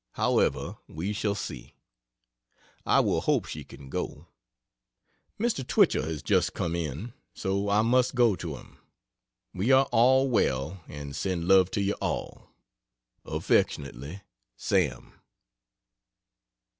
However, we shall see. I will hope she can go. Mr. Twichell has just come in, so I must go to him. We are all well, and send love to you all. Affly, SAM.